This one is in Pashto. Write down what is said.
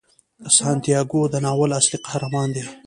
سانتیاګو د ناول اصلي قهرمان دی.